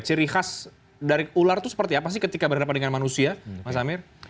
ciri khas dari ular itu seperti apa sih ketika berhadapan dengan manusia mas amir